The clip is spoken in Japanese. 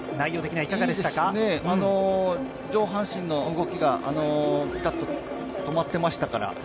いいですね、上半身の動きがぴたっと止まってましたから。